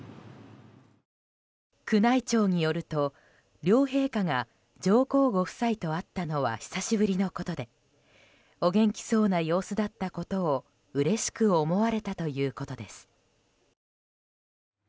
宮内庁によると、両陛下が上皇ご夫妻と会ったのは久しぶりのことでお元気そうな様子だったことをうれしく思われたということです。